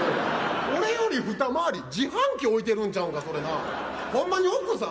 俺より二回り、自販機置いてるんちゃうんか、ほんまに奥さん？